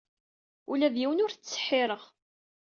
Ula d yiwen ur t-ttseḥḥireɣ.